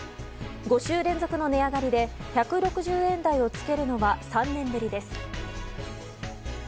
５週連続の値上がりで１６０円台をつけるのは３年ぶりです。